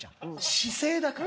姿勢だから。